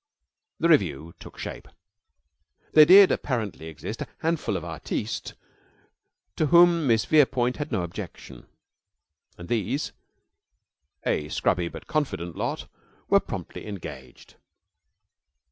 The revue took shape. There did apparently exist a handful of artistes to whom Miss Verepoint had no objection, and these a scrubby but confident lot were promptly engaged.